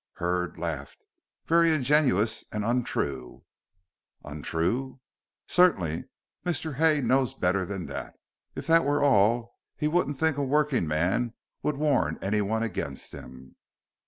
Hurd laughed. "Very ingenious and untrue." "Untrue!" "Certainly. Mr. Hay knows better than that. If that were all he wouldn't think a working man would warn anyone against him."